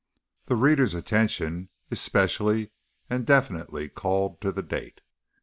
The reader's attention is specially and definitely called to the date.